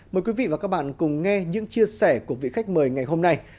mời quý vị và các bạn cùng nghe những chia sẻ của vị khách mời ngày hôm nay